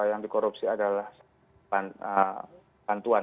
anti korupsi adalah bantuan